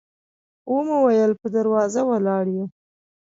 و مو ویل په دروازه ولاړ یو.